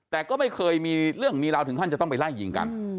แต่ก็ไม่เคยมีเรื่องนี้ราวถึงที่ต้องไปไล่กินกัน